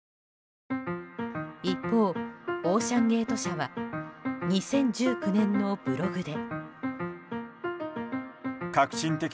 一方、オーシャン・ゲート社は２０１９年のブログで。